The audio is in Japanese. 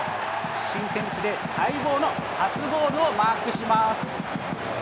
新天地で待望の初ゴールをマークします。